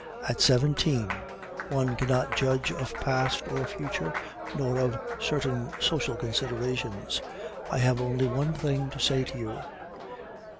At seventeen one cannot judge of past or future, nor of certain social considerations. I have only one thing to say to you.